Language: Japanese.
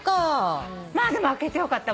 まあでも開けてよかった。